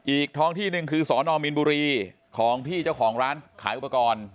อีกท้องที่หนึ่งคือสอนอมมีนบุรีของพี่เจ้าของร้านขายอุปกรณ์